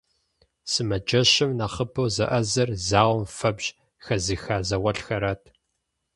Сымаджэщым нэхъыбэу зэӀэзэр зауэм фэбжь хэзыха зауэлӀхэрат.